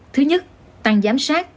thứ nhất tăng giám sát